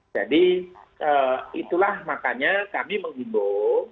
jadi itulah makanya kami menghimbau